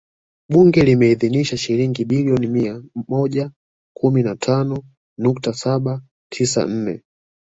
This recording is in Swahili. Bunge limeidhinisha Shilingi bilioni mia moja kumi na tano nukta saba tisa nne